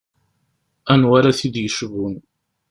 Anwa ara t-id-yecbun?